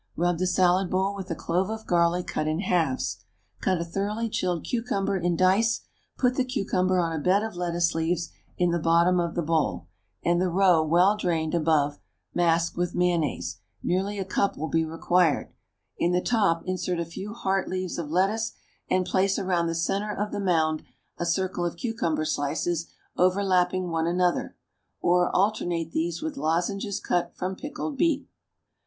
Rub the salad bowl with a clove of garlic cut in halves. Cut a thoroughly chilled cucumber in dice; put the cucumber on a bed of lettuce leaves in the bottom of the bowl, and the roe, well drained, above; mask with mayonnaise, nearly a cup will be required, in the top insert a few heart leaves of lettuce, and place around the centre of the mound a circle of cucumber slices overlapping one another; or alternate these with lozenges cut from pickled beet.